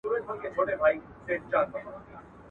د روغن یوه ښیښه یې کړله ماته.